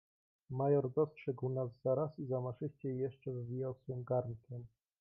"Major dostrzegł nas zaraz i zamaszyściej jeszcze wywijał swym garnkiem."